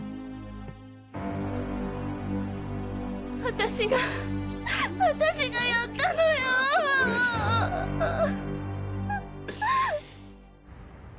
私が私がやったのよううう。